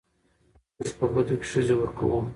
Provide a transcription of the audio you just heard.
موږ په بدو کې ښځې ورکوو